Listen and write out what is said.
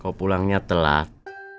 kamu pulangnya telat